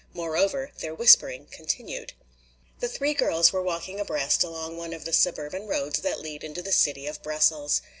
Moreover, their whispering continued. The three girls were walking abreast along one of the suburban roads that lead into the city of Brussels.